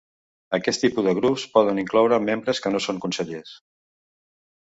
Aquest tipus de grups poden incloure membres que no són consellers.